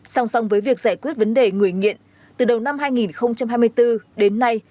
song song với việc giải quyết vấn đề người nghiện từ đầu năm hai nghìn hai mươi bốn đến nay